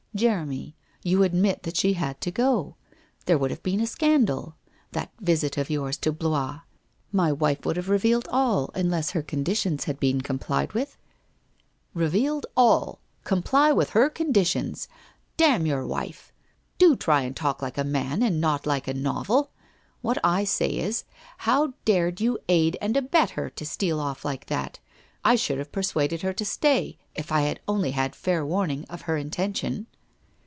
' Jeremy, you admit that she had to go. There would have been a scandal. That visit of yours to Blois! My wife would have revealed all, unless her conditions had been complied with.' ' Revealed all ! Comply with her conditions ! Damn your wife! Do try and talk like a man and not like a novel. What I say is, how dared you aid and abet her to steal off like that? I should have persuaded her to stay, if I had only had fair warning of her intention!